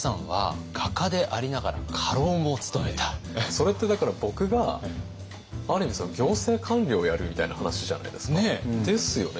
それってだから僕がある意味行政官僚をやるみたいな話じゃないですか。ですよね？